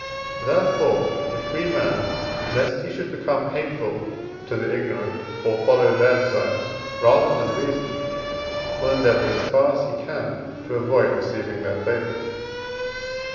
Therefore the free man, lest he should become hateful to the ignorant, or follow their desires rather than reason, will endeavour, as far as he can, to avoid receiving their favours.